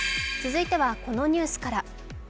続いては、このニュースから。